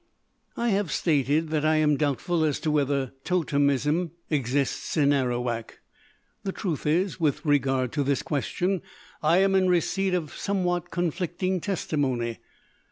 I have stated that I am doubtful as to whether totemism exists in Arawak. The truth is, with regard to this question, I am in receipt of somewhat conflicting testimony.